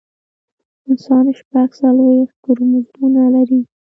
انسان شپږ څلوېښت کروموزومونه لري